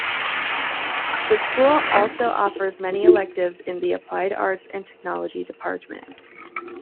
The school also offers many electives in the Applied Arts and Technology Department.